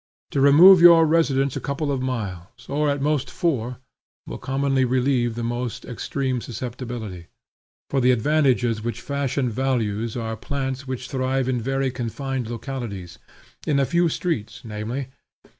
To remove your residence a couple of miles, or at most four, will commonly relieve the most extreme susceptibility. For the advantages which fashion values are plants which thrive in very confined localities, in a few streets namely.